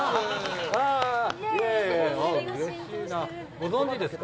ご存知ですか？